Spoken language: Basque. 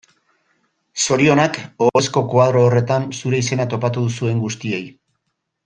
Zorionak ohorezko koadro horretan zure izena topatu duzuen guztiei.